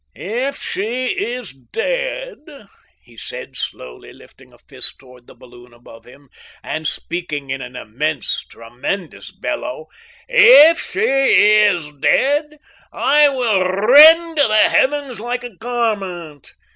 "If she is dead," he said, slowly lifting a fist towards the balloon above him, and speaking in an immense tremulous bellow "if she is dead, I will r r rend the heavens like a garment!